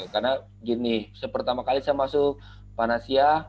karena gini pertama kali saya masuk panasia